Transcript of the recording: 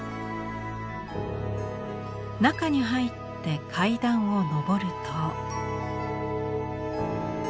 中に入って階段を上ると。